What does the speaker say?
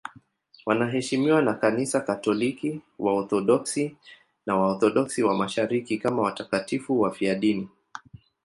Wanaheshimiwa na Kanisa Katoliki, Waorthodoksi na Waorthodoksi wa Mashariki kama watakatifu wafiadini.